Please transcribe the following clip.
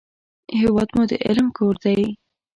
هېواد مو د علم کور دی